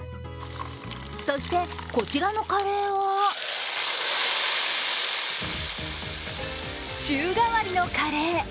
そして、こちらのカレーは週替わりのカレー。